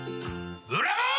ブラボー！